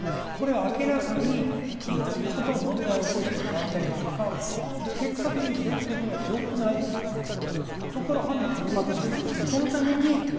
明らかにいろんなことを問題を起こしている団体と関わるというのは結果的に政治的には良くないですよ、それは。